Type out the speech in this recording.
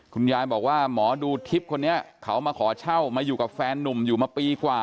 คุณยายบอกว่าหมอดูทิพย์คนนี้เขามาขอเช่ามาอยู่กับแฟนนุ่มอยู่มาปีกว่า